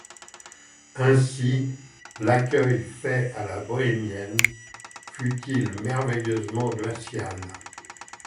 Aussi l’accueil fait à la bohémienne fut-il merveilleusement glacial.